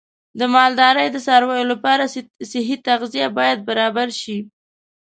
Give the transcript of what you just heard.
د مالدارۍ د څارویو لپاره صحي تغذیه باید برابر شي.